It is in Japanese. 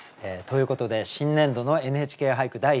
ということで新年度の「ＮＨＫ俳句」